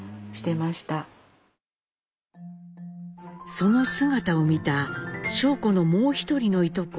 その姿を見た尚子のもう一人のいとこ